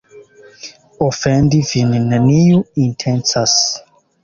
Ofendi vin neniu intencas.